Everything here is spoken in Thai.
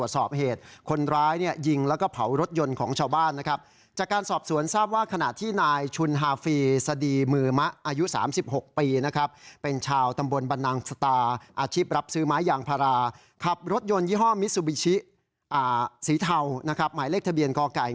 สีเทานะครับหมายเลขทะเบียนกไก่งงสะอ่าแปดหกสามสี่